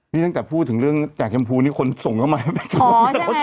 นี่ตั้งแต่พูดถึงเรื่องแจกชมพูนี่คนส่งเข้ามาไม่ชอบ